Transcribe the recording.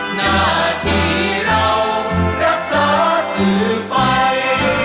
หน้าที่เรารักษาสื่อไป